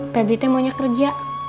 pep gue mau nyakirin